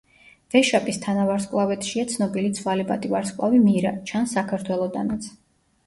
ვეშაპის თანავარსკვლავედშია ცნობილი ცვალებადი ვარსკვლავი მირა; ჩანს საქართველოდანაც.